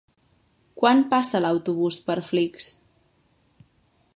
Quan passa l'autobús per Flix?